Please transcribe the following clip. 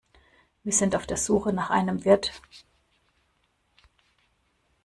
Wir sind auf der Suche nach einem Wirt.